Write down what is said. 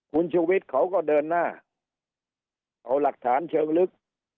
คุณชูวิทย์เขาก็เดินหน้าเอาหลักฐานเชิงลึก